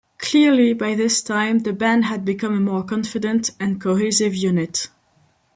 Clearly, by this time, the band had become a more confident and cohesive unit.